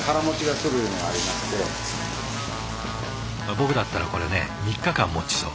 僕だったらこれね３日間もちそう。